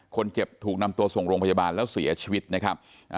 คนเจ็บถูกนำตัวส่งโรงพยาบาลแล้วเสียชีวิตนะครับ